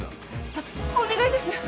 あっお願いです